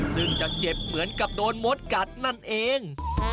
ซึ่งจะเจ็บเหมือนกับโดนมดกัดนั่นเอง